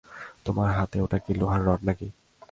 তোমার হাতে ওটা কি লোহার রড নাকি?